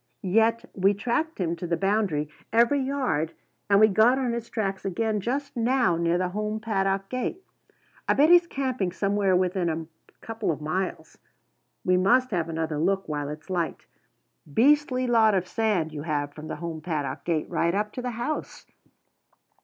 "Yet we tracked him to the boundary, every yard, and we got on his tracks again just now near the home paddock gate. I bet he's camping somewhere within a couple of miles; we must have another look while it's light. Beastly lot of sand you have from the home paddock gate right up to the house!"